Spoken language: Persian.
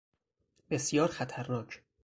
بسیار خطرناک